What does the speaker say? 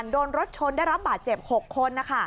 โดนรถชนได้รับบาดเจ็บ๖คน